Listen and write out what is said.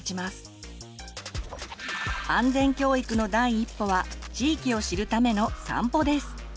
安全教育の第一歩は地域を知るためのさんぽです！